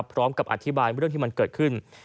พร้อมกับอธิบายเรื่องที่มันเกิดขึ้น